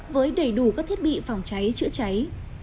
với đầy đủ các thiết bị phòng cháy chữa cháy